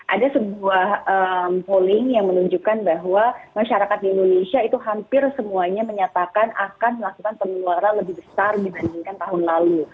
ada sebuah polling yang menunjukkan bahwa masyarakat di indonesia itu hampir semuanya menyatakan akan melakukan pengeluaran lebih besar dibandingkan tahun lalu